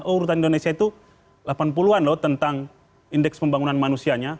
oh urutan indonesia itu delapan puluh an loh tentang indeks pembangunan manusianya